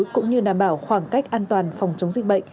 cũng như đảm bảo khoảng cách an toàn phòng chống dịch bệnh